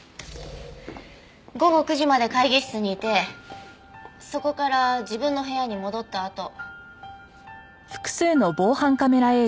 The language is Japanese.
午後９時まで会議室にいてそこから自分の部屋に戻ったあと。